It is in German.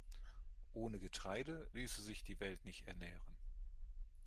Ohne Getreide ließe sich die Welt nicht ernähren.